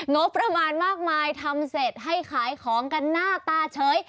งบประมาณมากมายทำเสร็จให้ขายของกันหน้าตาเฉย